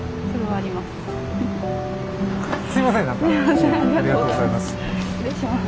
ありがとうございます。